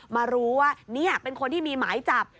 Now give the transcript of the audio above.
มารู้ว่านี่เป็นคนที่มีหมายจับ